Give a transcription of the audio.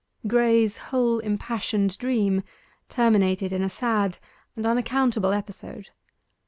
Graye's whole impassioned dream terminated in a sad and unaccountable episode.